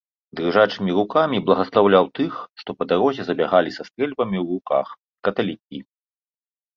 Дрыжачымі рукамі благаслаўляў тых, што па дарозе забягалі са стрэльбамі ў руках, каталікі.